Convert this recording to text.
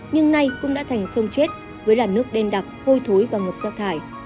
nhưng nay cũng đã thành sông chết với làn nước đen đặc hôi thối và ngập giác thải